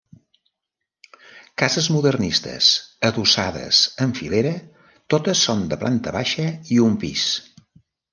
Cases modernistes, adossades en filera, totes són de planta baixa i un pis.